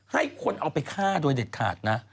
ให้คนเอาไปฆ่าโดยเด็ดขาดนะ